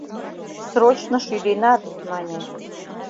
Срочно шӱденат, мане.